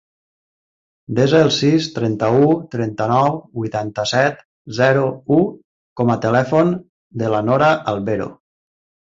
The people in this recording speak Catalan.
Desa el sis, trenta-u, trenta-nou, vuitanta-set, zero, u com a telèfon de la Nora Albero.